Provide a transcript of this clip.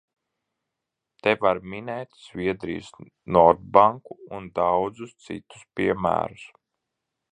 "Te var minēt Zviedrijas "Nordbanku" un daudzus citus piemērus."